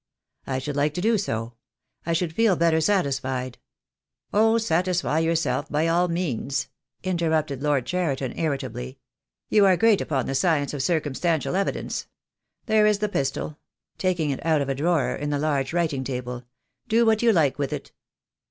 "I should like to do so. I should feel better satis fied " "Oh, satisfy yourself, by all means," interrupted Lord Cheriton irritably. "You are great upon the science of circumstantial evidence. There is the pistol," taking it out of a drawer in the large writing table. "Do what you like with it."